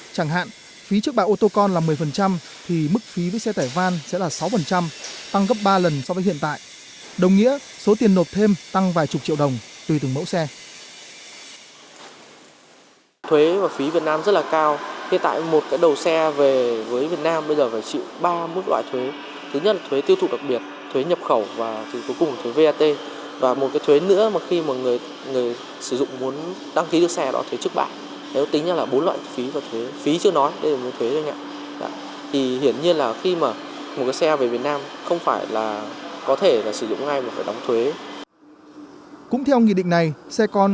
chẳng hạn phí chức bạ ô tô con là một mươi thì mức phí với xe tải van sẽ là sáu tăng gấp ba lần so với hiện tại đồng nghĩa số tiền nộp thêm tăng vài chục triệu đồng tùy từng mẫu xe